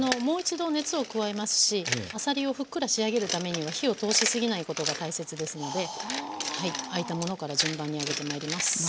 もう一度熱を加えますしあさりをふっくら仕上げるためには火を通しすぎないことが大切ですので開いたものから順番にあげてまいります。